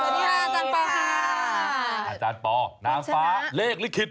สวัสดีค่ะอาจารย์ปอนามฟ้าเร็กลิชคิด